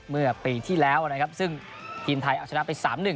เมื่อปีที่แล้วนะครับซึ่งทีมไทยเอาชนะไป๓๑